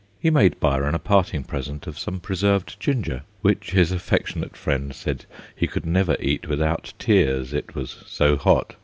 He made Byron a parting present of some preserved ginger, which his affectionate friend said he could never eat without tears it was so hot.